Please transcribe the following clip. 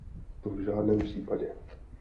To v žádném případě.